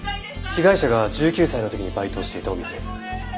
被害者が１９歳の時にバイトをしていたお店です。